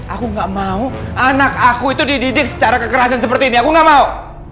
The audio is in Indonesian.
aku gak mau anak aku itu dididik secara kekerasan seperti ini aku gak mau